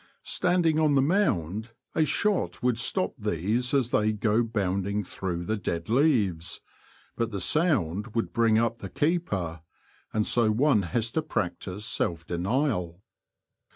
Standing on the mound a shot would stop these as they go bounding through the dead leaves, but the sound would bring up the keeper, and so one has to practise self denial.